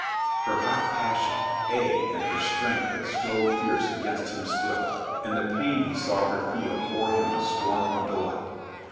Her hot passion, ay and her strength that strove fierce against him still, and the pain he saw her feel bore him a storm of delight.